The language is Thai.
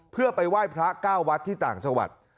เพื่อไปไหว้พระ๙วัดที่ต่างชาวัด